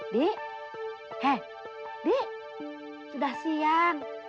dik hei dik sudah siang